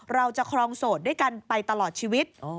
เราจะครองโสดด้วยกันไปตลอดชีวิต